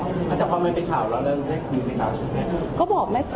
แต่เฉพาะไม่เป็นข่าวแล้วเรื่องไม่ได้คุยพี่ขวัญกัน